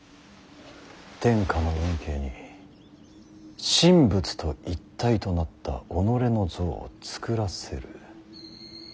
天下の運慶に神仏と一体となった己の像を作らせる。